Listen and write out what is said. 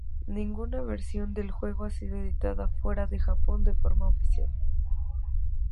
Ninguna versión del juego ha sido editada fuera de Japón de forma oficial.